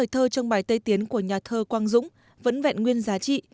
thương bài tây tiến của nhà thơ quang dũng vẫn vẹn nguyên giá trị